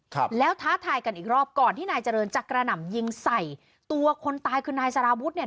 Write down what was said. ครับแล้วท้าทายกันอีกรอบก่อนที่นายเจริญจะกระหน่ำยิงใส่ตัวคนตายคือนายสารวุฒิเนี่ย